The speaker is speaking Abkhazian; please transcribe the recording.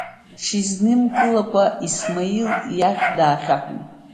Иҽизнымкылакәа Исмил иахь даахьаҳәын…